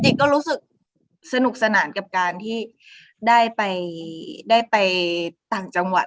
ก็รู้สึกสนุกสนานกับการที่ได้ไปต่างจังหวัด